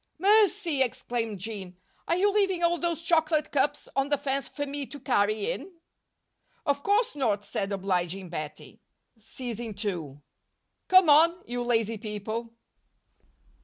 "Mercy!" exclaimed Jean, "are you leaving all those chocolate cups on the fence for me to carry in?" "Of course not," said obliging Bettie, seizing two. "Come on, you lazy people."